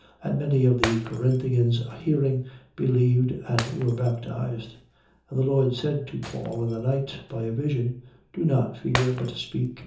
And many of the Corinthians hearing, believed and were baptized. 18:9. And the Lord said to Paul in the night, by a vision: Do not fear, but speak.